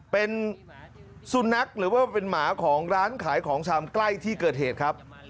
เป็นสุนัขหรือว่าเป็นหมาของร้านขายของชำใกล้ที่เกิดเหตุครับ